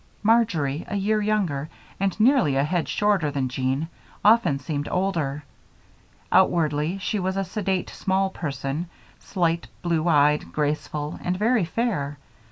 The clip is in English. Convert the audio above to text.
Marjory, a year younger and nearly a head shorter than Jean, often seemed older. Outwardly, she was a sedate small person, slight, blue eyed, graceful, and very fair.